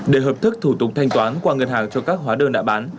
để hợp thức thủ tục thanh toán qua ngân hàng cho các hóa đơn đã bán